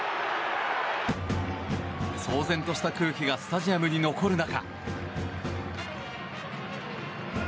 騒然とした空気がスタジアムに残る中。